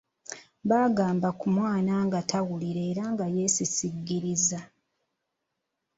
Bagamba ku mwana nga tawulira era nga yeesisiggiriza.